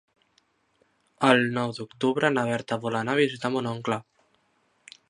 El nou d'octubre na Berta vol anar a visitar mon oncle.